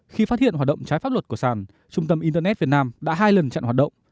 khi phát hiện hoạt động trái pháp luật của sàn trung tâm internet việt nam đã hai lần chặn hoạt động